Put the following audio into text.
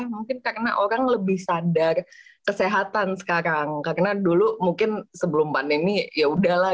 mungkin karena orang lebih sadar kesehatan sekarang karena dulu mungkin sebelum pandemi ya udahlah